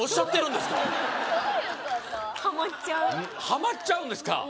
ハマっちゃうんですか？